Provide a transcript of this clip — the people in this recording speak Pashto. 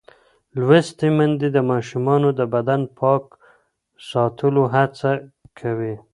لوستې میندې د ماشومانو د بدن پاک ساتلو هڅه کوي.